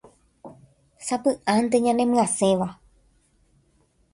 sapy'ánte ñanemyasẽva